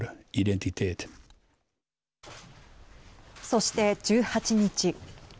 そして、１８日。